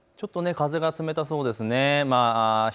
ちょっと風が冷たそうですね。